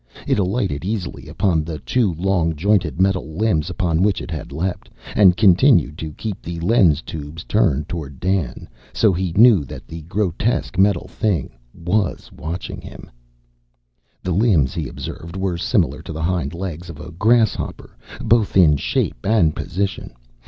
It alighted easily upon the two long, jointed metal limbs upon which it had leapt, and continued to keep the lens tubes turned toward Dan, so he knew that the grotesque metal thing was watching him. The limbs, he observed, were similar to the hind legs of a grasshopper, both in shape and position.